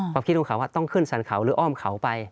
ความคิดของเขาต้องขึ้นสรรเขาหรืออ้อมเขาไป